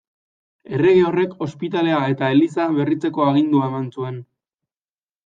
Errege horrek ospitalea eta eliza berritzeko agindua eman zuen.